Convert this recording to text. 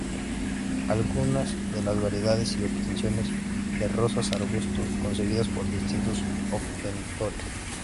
Algunas de las variedades y obtenciones de rosas arbusto conseguidas por distintos obtentores.